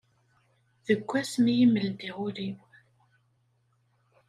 Deg wass mi i m-ldiɣ ul-iw.